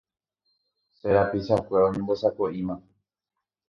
Che rapichakuéra oñembosako'íma